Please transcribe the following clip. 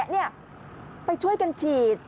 นี่ไปช่วยกันฉีด